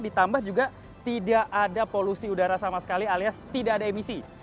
ditambah juga tidak ada polusi udara sama sekali alias tidak ada emisi